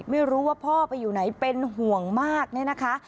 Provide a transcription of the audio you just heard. ไม่รู้ว่าพ่อไปอยู่ไหนเป็นห่วงมากเนี่ยนะคะ